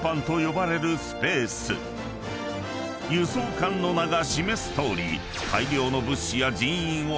［輸送艦の名が示すとおり］